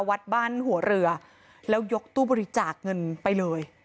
วัดบ้านหัวเรือแล้วยกตู้บริจาคเงินไปเลย